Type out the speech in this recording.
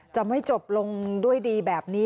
จำให้จบลงด้วยดีแบบนี้